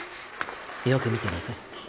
よく見てなさい。